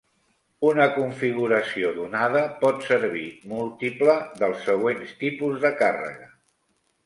Una configuració donada pot servir múltiple dels següents tipus de càrrega.